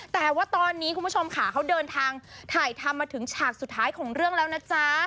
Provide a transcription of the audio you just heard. แต่ว่าตอนนี้คุณผู้ชมค่ะเขาเดินทางถ่ายทำมาถึงฉากสุดท้ายของเรื่องแล้วนะจ๊ะ